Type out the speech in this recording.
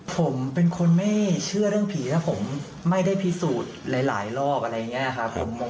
ผมเป็นคนไม่เชื่อเรื่องผีแล้วผมไม่ได้พิสูจน์หลายรอบอะไรอย่างนี้ครับผม